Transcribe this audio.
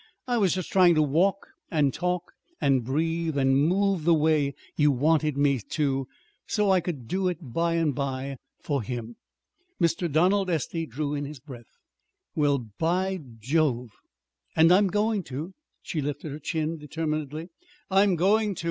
I was just trying to walk and talk and breathe and move the way you wanted me to, so I could do it by and by for him." Mr. Donald Estey drew in his breath. "Well, by Jove!" "And I'm going to." She lifted her chin determinedly. "_I'm going to!